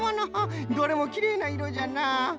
どれもきれいないろじゃなあ。